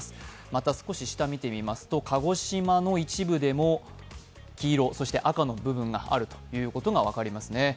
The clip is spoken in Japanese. また少し下見てみますと鹿児島の一部でも黄色、そして赤の部分があることが分かりますね。